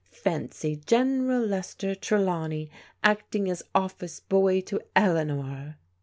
Fancy General Lester Trelawney acting as office boy to Eleanor."